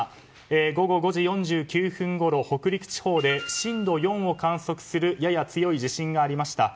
午後５時４９分ごろ北陸地方で震度４を観測するやや強い地震がありました。